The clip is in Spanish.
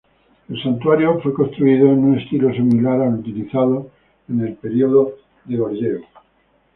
El santuario fue construido en un estilo similar al utilizado en el período Goryeo.